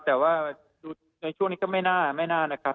แต่ว่าในช่วงนี้ก็ไม่น่านะครับ